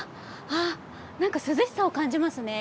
あっなんか涼しさを感じますね。